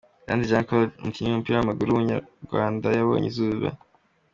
Iranzi Jean-Claude, umukinnyi w’umupira w’amaguru w’umunyarwanda yabonye izuba.